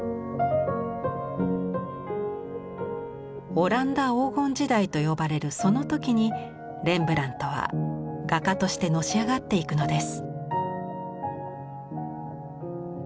オランダ黄金時代と呼ばれるその時にレンブラントは画家としてのし上がっていくのです。